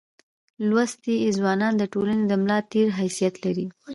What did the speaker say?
لوستي ځوانان دټولني دملا دتیر حیثیت لري.